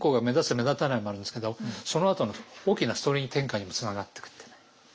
目立たないもあるんですけどそのあとの大きなストーリー展開にもつながっていくっていうね。